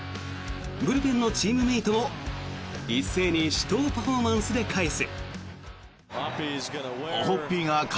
ブルペンのチームメートも一斉に手刀パフォーマンスで返す。